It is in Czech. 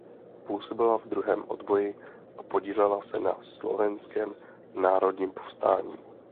Působila v druhém odboji a podílela se na Slovenském národním povstání.